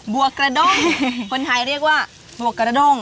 บัวกระด้งคนไทยเรียกว่าบัวกระด้ง